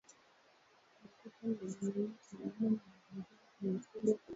Unakuta miezi miwili tunalima na mwezi mzima tunashindwa kulima